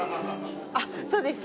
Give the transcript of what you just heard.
あっそうですね